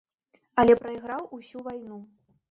Але прайграў усю вайну.